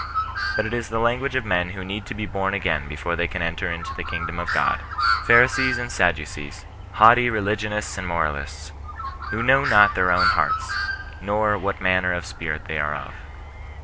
But it is the language of men who need to be bom again before they can enter into the kingdom of God, — Pharisees and Sadducees, haughty religionists and moralists, who know not their own hearts, nor " what manner of spirit they are of."